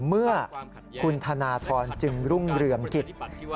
เมื่อคุณธนทรจึงรุ่งเรืองกิจ